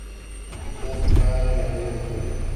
Está situada en la calle Dr.